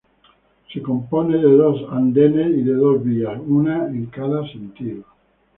Se compone de dos andenes y de dos vías, una en cada sentido.